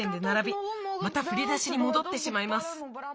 ならびまたふり出しにもどってしまいます。